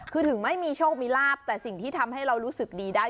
คือถึงไม่มีโชคมีลาบแต่สิ่งที่ทำให้เรารู้สึกดีได้